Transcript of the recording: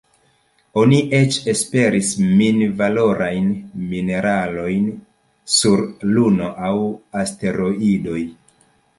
Oni eĉ esperis mini valorajn mineralojn sur Luno aŭ asteroidoj.